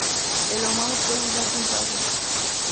El ahumado puede usarse en salsas.